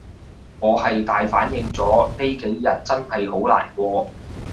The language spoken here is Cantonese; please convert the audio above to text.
我係大反應咗，呢幾日真係好難過